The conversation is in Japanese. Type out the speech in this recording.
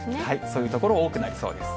そういう所、多くなりそうです。